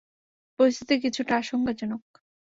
পরিস্থিতি কিছুটা আশংকাজনক।